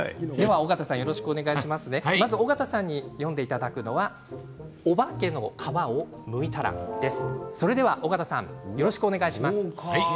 まず緒方さんに読んでいただくのは「おばけのかわをむいたら」です。